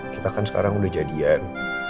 kita kan sekarang udah jadian